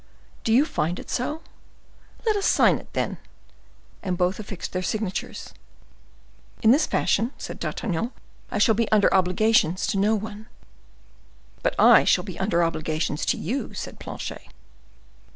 "Do you find it so? Let us sign it then." And both affixed their signatures. "In this fashion," said D'Artagnan, "I shall be under obligations to no one." "But I shall be under obligations to you," said Planchet.